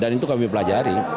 dan itu kami pelajari